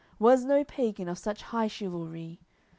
Was no pagan of such high chivalry.